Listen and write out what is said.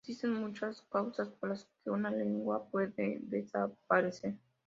Existen muchas causas por las que una lengua puede desaparecer.